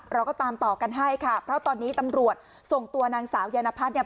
เราก็ตามต่อกันให้ค่ะเพราะตอนนี้ตำรวจส่งตัวนางสาวยานพัฒน์เนี่ย